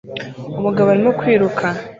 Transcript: Umugabo arimo kwiruka